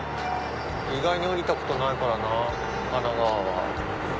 意外に降りたことないからなぁ神奈川は。